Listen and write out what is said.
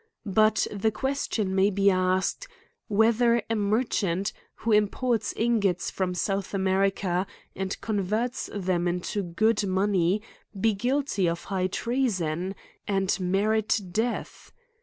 But the question may be asked, whether a merchant, who imports ingots from South America, and converts them into good money ^ be guilty of high treason ! and merit death